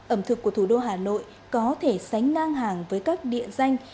ẩm thực của thủ đô hà nội có thể sánh ngang hàng với các địa danh